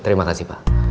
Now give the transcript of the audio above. terima kasih pak